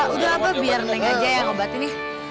udah apa biar neng aja yang ngobatin nih